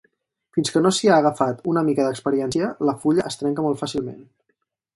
Fins que no s'hi ha agafat una mica d'experiència la fulla es trenca molt fàcilment.